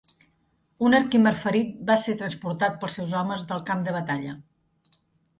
Un Herkimer ferit va ser transportat pels seus homes del camp de batalla.